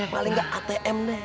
paling gak atm deh